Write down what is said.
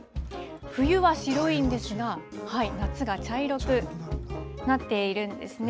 冬は白いんですが、夏が茶色くなっているんですね。